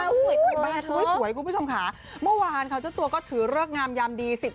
บ้านสวยคุณผู้ชมขาเมื่อวานเขาเจ้าตัวก็ถือเริกงามยามดี